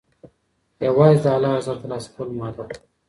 یوازې د الله رضا ترلاسه کول مو هدف وي.